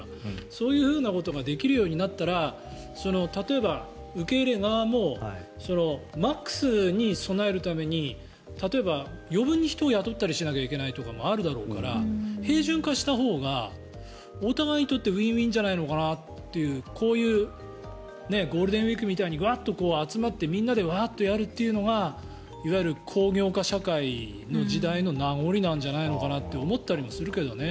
そういうふうなことができるようになったら例えば、受け入れ側もマックスに備えるために例えば余分に人を雇ったりしなきゃいけないとかもあるだろうから平準化したほうがお互いにとってウィンウィンじゃないのかなというこういうゴールデンウィークみたいにグッと集まってみんなでワーッとやるというのが工業化社会の時代の名残なんじゃないかと思ったりするけどね。